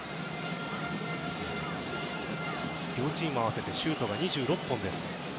両チーム合わせてシュートが２６本です。